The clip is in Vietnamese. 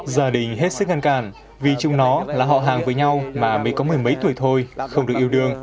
gia đình hết sức ngăn cản vì chung nó là họ hàng với nhau mà mới có mười mấy tuổi thôi không được yêu đương